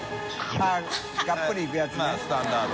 あっがっぷりいくやつね。